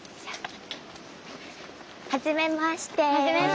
はじめまして。